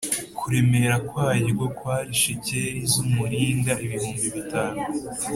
kuremera kwaryo kwari shekeli z’umuringa ibihumbi bitanu.